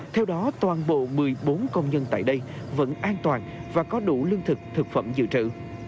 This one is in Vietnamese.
theo đó toàn bộ một mươi bốn công nhân tại đây vẫn an toàn và có đủ lương thực thực phẩm dự trữ